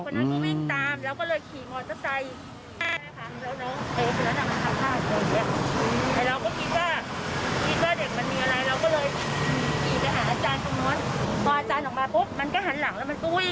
พอครูผู้ชายออกมาช่วยพอครูผู้ชายออกมาช่วย